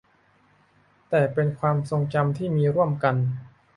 แต่เป็นความทรงจำที่มีร่วมกัน